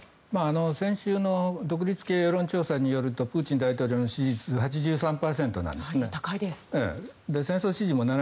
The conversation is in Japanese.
先週の独立系世論調査によるとプーチン大統領の支持率８３％なんですね。